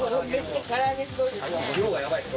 量がやばい、これ。